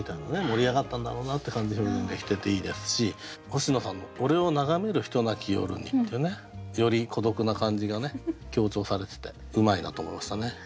盛り上がったんだろうなって感じ表現できてていいですし星野さんの「俺を眺める人なき夜に」ってねより孤独な感じが強調されててうまいなと思いましたね。